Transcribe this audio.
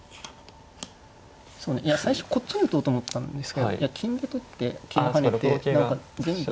そうねいや最初こっちに打とうと思ったんですけど金で取って桂跳ねて何か全部。